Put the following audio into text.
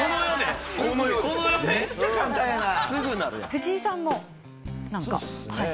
藤井さんも何か？